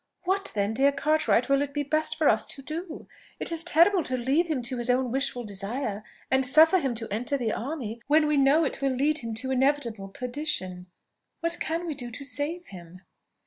What then, dear Cartwright, will it be best for us to do? It is terrible to leave him to his own wilful desire, and suffer him to enter the army, when we know it will lead him to inevitable perdition! What can we do to save him?"